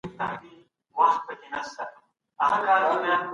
چې پایله یې زعفران دی.